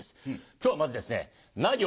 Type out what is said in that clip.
今日はまずですね「な行」